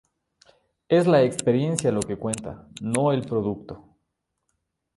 Es la experiencia lo que cuenta, no el producto.